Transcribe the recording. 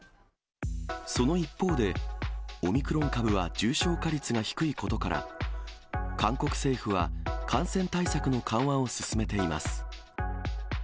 その一方で、オミクロン株は重症化率が低いことから、韓国政府は感染対策の緩和を進めています。